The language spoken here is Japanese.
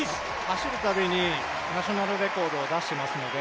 走るたびにナショナルレコードを出してますので